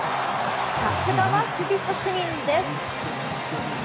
さすがは守備職人です。